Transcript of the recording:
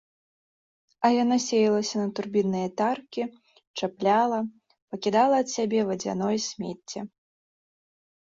А яна сеялася на турбінныя таркі, чапляла, пакідала ад сябе вадзяное смецце.